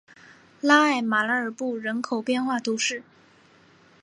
拉艾马莱尔布人口变化图示